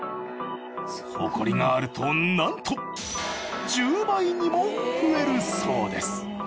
ホコリがあるとなんと１０倍にも増えるそうです